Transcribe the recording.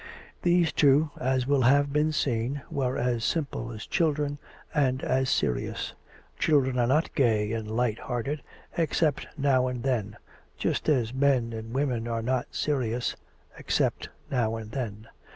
These two, as will have been seen, were as simple as children, and as serious. Children are not gay and light hearted, except now and then (just as men and women are not serious except now and then).